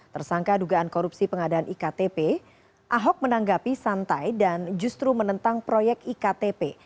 tersangka dugaan korupsi pengadaan iktp ahok menanggapi santai dan justru menentang proyek iktp